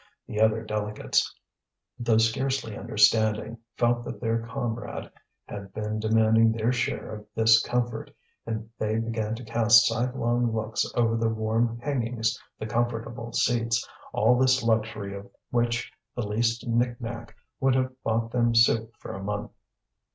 The other delegates, though scarcely understanding, felt that their comrade had been demanding their share of this comfort; and they began to cast sidelong looks over the warm hangings, the comfortable seats, all this luxury of which the least knick knack would have bought them soup for a month.